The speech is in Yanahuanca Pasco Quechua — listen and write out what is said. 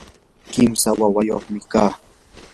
kimsa waynayuqmi kaa.